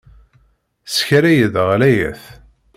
Teskaray-d ɣlayet.